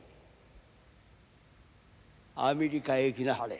アメリカへ行きなはれ。